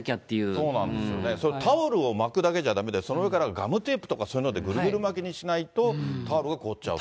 そうなんですよね、タオルを巻くだけじゃだめで、その上からガムテープとかそういうのでぐるぐる巻きにしないと、タオルが凍っちゃうと。